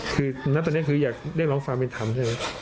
คือณตอนนี้คืออยากเรียกร้องความเป็นธรรมใช่ไหม